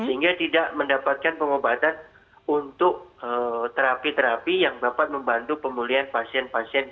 sehingga tidak mendapatkan pengobatan untuk terapi terapi yang dapat membantu pemulihan pasien pasien